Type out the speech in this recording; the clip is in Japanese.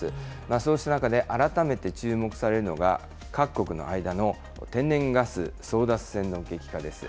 そうした中で、改めて注目されるのが、各国の間の天然ガス争奪戦の激化です。